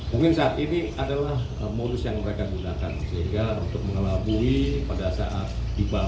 mungkin saat ini adalah modus yang mereka gunakan sehingga untuk mengelabui pada saat tiba